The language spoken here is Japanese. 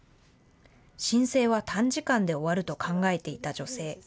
申請は短時間で終わると考えていた女性。